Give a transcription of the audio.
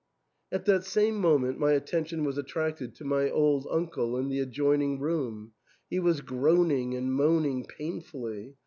At that same moment my attention was attracted to my old uncle in the adjoining room ; he was groaning and moaning painfully.